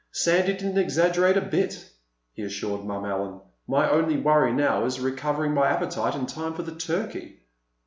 "Sandy didn't exaggerate a bit," he assured Mom Allen. "My only worry now is recovering my appetite in time for the turkey."